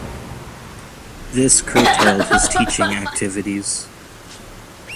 This curtailed his teaching activities.